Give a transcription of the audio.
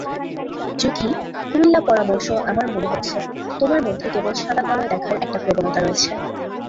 যুঁথী, কুমিল্লাপরামর্শআমার মনে হচ্ছে, তোমার মধ্যে কেবল সাদাকালোয় দেখার একটি প্রবণতা রয়েছে।